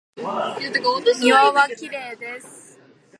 庭はきれいです。